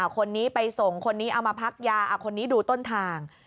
คนนี้ไปส่งคนนี้เอามาพักยาคนนี้ดูต้นทาง